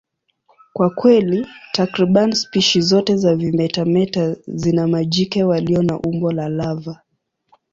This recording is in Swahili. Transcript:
Kwa kweli, takriban spishi zote za vimetameta zina majike walio na umbo la lava.